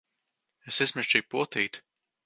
Es izmežģīju potīti!